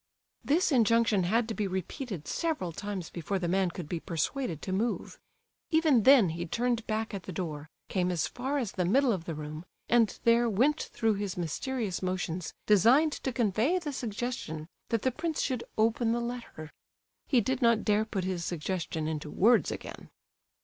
This injunction had to be repeated several times before the man could be persuaded to move. Even then he turned back at the door, came as far as the middle of the room, and there went through his mysterious motions designed to convey the suggestion that the prince should open the letter. He did not dare put his suggestion into words again.